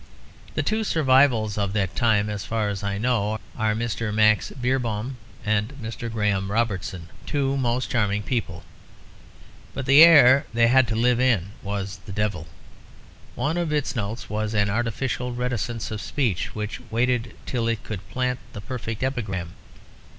The two survivals of that time, as far as I know, are Mr. Max Beerbohm and Mr. Graham Robertson; two most charming people; but the air they had to live in was the devil. One of its notes was an artificial reticence of speech, which waited till it could plant the perfect epigram.